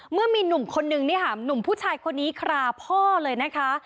เมื่อมีหนุ่มคนนึงเนี่ยค่ะหนุ่มผู้ชายคนนี้คราพ่อเลยนะคะ